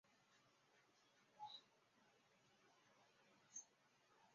以贵州毕节市威宁县石门乡的石门坎苗话为标准音。